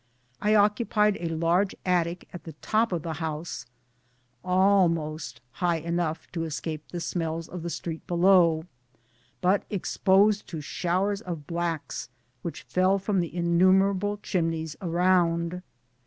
I occupied a large attic at the top of the house, almost high enough to escape the smells of the street below, but exposed to showers of blacks which fell from the innumerable chimneys around.